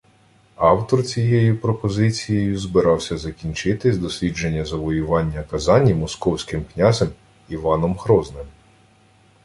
Автор цією пропозицією збирався закінчити дослідження завоювання Казані Московським князем Іваном Грозним